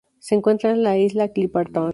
Se encuentra en la isla Clipperton.